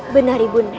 benar ibu nda